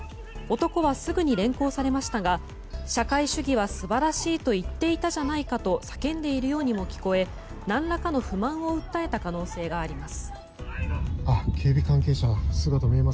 男はすぐに連行されましたが社会主義は素晴らしいと言っていたじゃないかと叫んでいるようにも聞こえ何らかの不満を訴えた可能性があります。